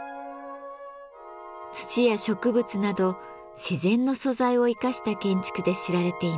土や植物など自然の素材を生かした建築で知られています。